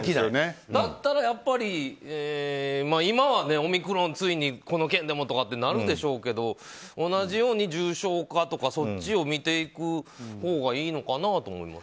だったら、今はオミクロンがついにこの県でもってなるでしょうけど同じように重症化とかそっちを見ていくほうがいいのかなと思います。